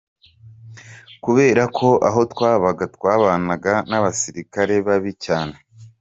Kubera ko aho twabaga twabanaga n’abasirikare babi cyane.”